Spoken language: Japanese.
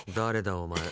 お前。